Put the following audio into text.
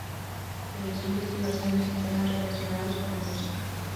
Realizó investigaciones en temas relacionados con la música.